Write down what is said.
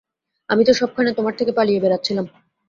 আমি তো সবখানে তোমার থেকে পালিয়ে বেড়াচ্ছিলাম।